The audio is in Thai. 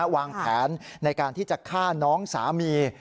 วางแผนในการที่จะฆ่าน้องสามี